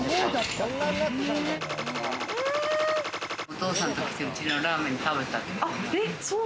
がお父さんと来て、うちのラーメン食べたり。